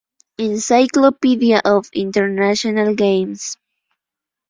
Encyclopedia of International Games.